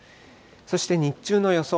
そして日中の予想